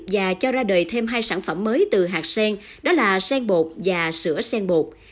và cho ra đời thêm hai sản phẩm mới từ hạt sen đó là sen bột và sữa sen bột